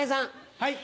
はい。